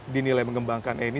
dinilai mengembangkan ini